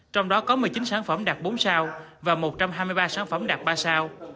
trong đó có một mươi chín sản phẩm đặc bốn sao và một trăm hai mươi ba sản phẩm đặc ba sao